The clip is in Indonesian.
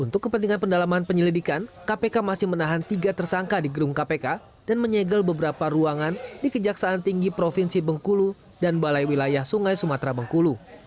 untuk kepentingan pendalaman penyelidikan kpk masih menahan tiga tersangka di gerung kpk dan menyegel beberapa ruangan di kejaksaan tinggi provinsi bengkulu dan balai wilayah sungai sumatera bengkulu